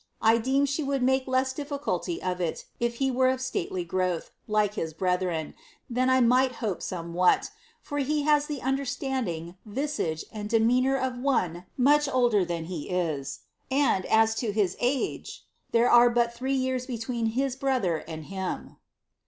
I deem she wouU ■lake less difficulty of it if he were of stately growth, like his brelhien, then 1 might hope sosewhat; for he has the understanding, visage, and demeanour of one mmch older than he is; and, as to his age, there tie but three years between his brother and him."